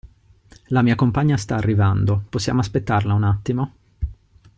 La mia compagna sta arrivando, possiamo aspettarla un attimo?